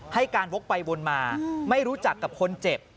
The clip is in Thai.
ให้การวกไปวนมาไม่รู้จักกับคนเจ็บ